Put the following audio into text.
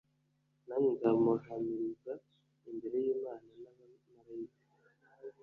nanjye nzamuhamiriza imbere y’imana n’abamarayika”